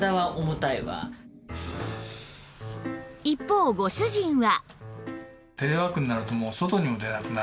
一方ご主人は